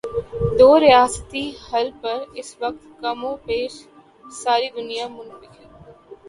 دو ریاستی حل پر اس وقت کم و بیش ساری دنیا متفق ہے۔